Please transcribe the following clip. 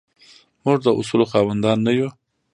موږ د اصولو خاوندان نه یو.